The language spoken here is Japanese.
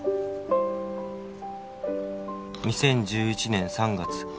「２０１１年３月」